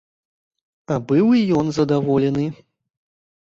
А быў і ён здаволены.